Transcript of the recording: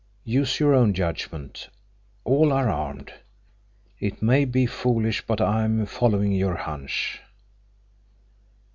Use your own judgment. All are armed. It may be foolish, but I'm following your hunch."